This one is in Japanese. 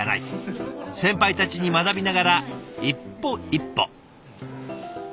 先輩たちに学びながら一歩一歩。